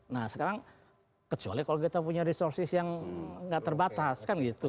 nah sekarang kecuali kalau kita punya resources yang nggak terbatas kan gitu